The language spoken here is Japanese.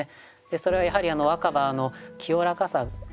それはやはり若葉の清らかさがですね